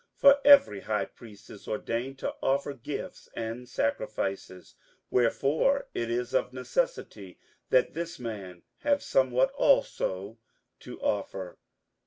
58:008:003 For every high priest is ordained to offer gifts and sacrifices: wherefore it is of necessity that this man have somewhat also to offer.